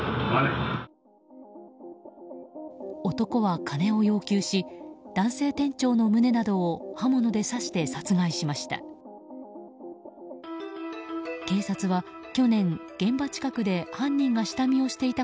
男は金を要求し男性店長の胸などを刃物で刺して殺害しました。